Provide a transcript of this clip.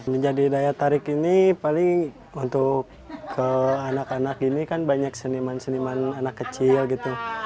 menjadi daya tarik ini paling untuk anak anak ini kan banyak seniman seniman anak kecil gitu